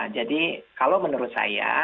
jadi kalau menurut saya